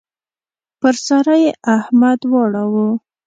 پر سارا يې احمد واړاوو.